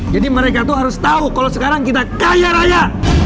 jadi mereka tuh harus tahu kalau sekarang kita kaya raya